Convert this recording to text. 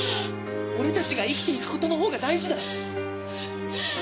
俺たちが生きていく事の方が大事だ。